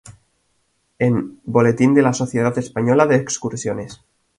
En "Boletín de la Sociedad Española de Excursiones.